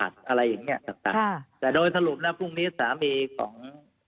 ด้วยสรุปสามีของ